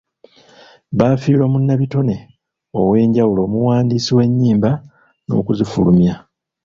Baafiirwa munnabitone ow'enjawulo omuwandiisi w'ennyimba n'okuzifulumya.